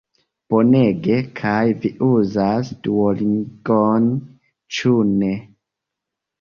Bonege, kaj vi uzas Duolingon ĉu ne?